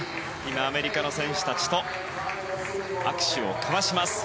アメリカの選手たちと握手を交わします。